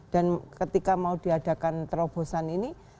dan ketika mau diadakan terobosan ini